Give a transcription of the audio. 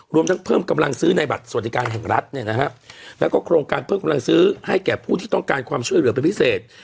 รวมทั้งเพิ่มกำลังซื้อในบัตรสวัสดิการแห่งรัฐเนี่ยนะฮะแล้วก็โครงการเพิ่มกำลังซื้อให้แก่ผู้ที่ต้องการความช่วยเหลือเป็นพิเศษ